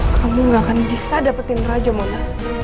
kamu gak akan bisa dapetin raja mana